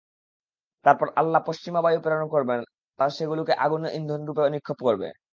তারপর আল্লাহ পশ্চিমা বায়ু প্রেরণ করবেন, তা সেগুলোকে আগুনে ইন্ধনরূপে নিক্ষেপ করবে।